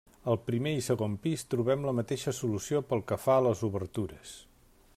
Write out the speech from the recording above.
Al primer i segon pis trobem la mateixa solució pel que fa a les obertures.